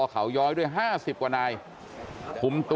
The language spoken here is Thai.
กลับไปลองกลับ